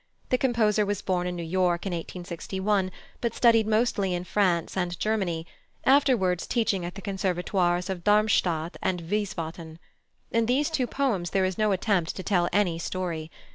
The composer was born in New York in 1861, but studied mostly in France and Germany, afterwards teaching at the Conservatoires of Darmstadt and Wiesbaden. In these two poems there is no attempt to tell any story.